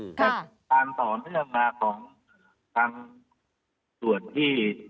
แต่ความต่อเนื่องมาของทางส่วนที่